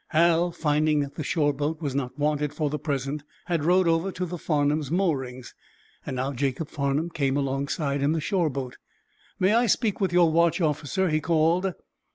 Hal, finding that the shore boat was not wanted for the present, had rowed over to the "Farnum's" moorings. Now Jacob Farnum came alongside in the shore boat. "May I speak with your watch officer?" he called.